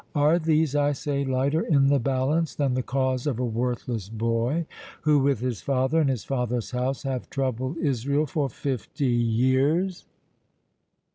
Are these, I say, lighter in the balance than the cause of a worthless boy, who, with his father and his father's house, have troubled Israel for fifty years?"